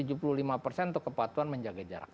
untuk kepatuhan menjaga jarak